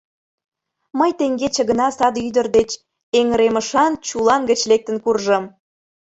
— Мый теҥгече гына саде ӱдыр деч эҥыремышан чулан гыч лектын куржым...